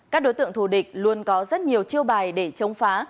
các đối tượng thù địch luôn có rất nhiều chiêu bài để chống phá